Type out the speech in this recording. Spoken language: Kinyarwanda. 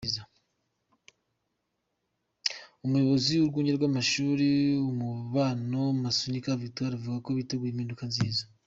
Umuyobozi w’Urwunge rw’Amashuri y’Umubano, Masunika Victor, avuga ko biteguye impinduka nziza.